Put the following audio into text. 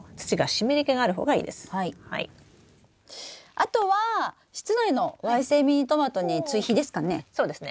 あとは室内のわい性ミニトマトに追肥ですかね？